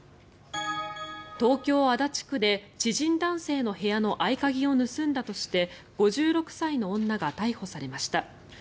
東京・足立区で知人男性の部屋の合鍵を盗んだとして５６歳の女が逮捕されました。